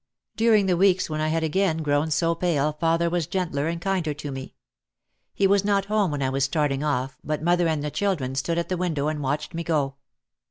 During the weeks when I had again grown so pale father was gentler and kinder to me. He was not home when I was starting off but mother and the children stood at the window and watched me go.